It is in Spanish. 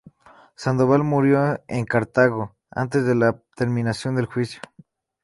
Sandoval murió en Cartago antes de la terminación del juicio.